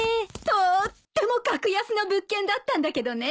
とっても格安な物件だったんだけどね。